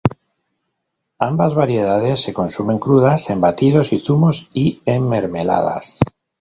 Ambas variedades se consumen crudas, en batidos y zumos, y en mermeladas.